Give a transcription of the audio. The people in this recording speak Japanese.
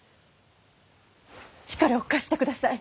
力を貸してください。